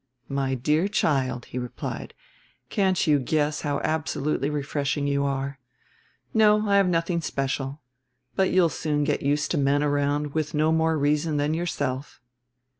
"My dear child," he replied, "can't you guess how absolutely refreshing you are? No, I have nothing special. But you'll soon get used to men around with no more reason than yourself."